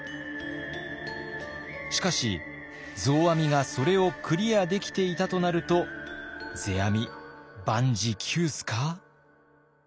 しかし増阿弥がそれをクリアできていたとなると世阿弥万事休すか？